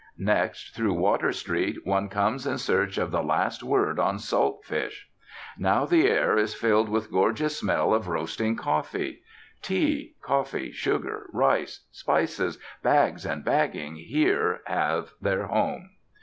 Next, through Water Street, one comes in search of the last word on salt fish. Now the air is filled with gorgeous smell of roasting coffee. Tea, coffee, sugar, rice, spices, bags and bagging here have their home.